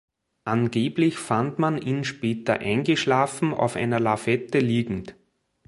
Angeblich fand man ihn später eingeschlafen auf einer Lafette liegend.